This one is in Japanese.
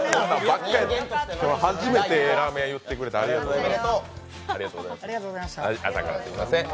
今日は初めてラーメンを紹介してくれてありがとうございます。